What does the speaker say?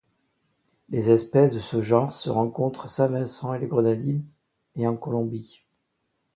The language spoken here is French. Les espèces de ce genre se rencontrent à Saint-Vincent-et-les-Grenadines et en Colombie.